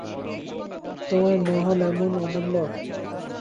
তোমার মহলও এমন, অমূল্য।